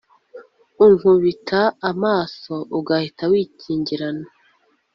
unkubita amaso ugahita wikingirana